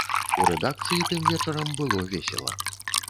У рэдакцыі тым вечарам было весела.